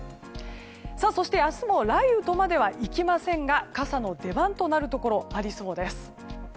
そして、明日も雷雨とまではいきませんが傘の出番となるところがありそうです。